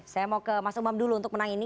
saya mau ke mas umam dulu untuk menang ini